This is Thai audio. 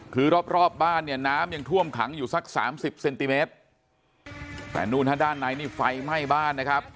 คือรอบรอบบ้านเนี่ยน้ำยังท่วมขังอยู่สักสามสิบเซนติเมตรแต่นู่นฮะด้านในนี่ไฟไหม้บ้านนะครับ